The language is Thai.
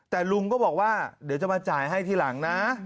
แต่ลุงก็บอกว่าเดี๋ยวจะมาจ่ายให้ทีหลังนะ